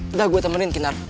udah gue temenin kinari